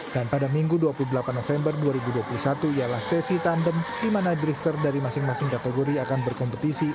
dan pada minggu dua puluh delapan november dua ribu dua puluh satu ialah sesi tandem di mana drifter dari masing masing kategori akan berkompetisi